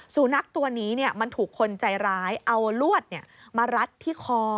สุนัขตัวนี้มันถูกคนใจร้ายเอาลวดมารัดที่คอ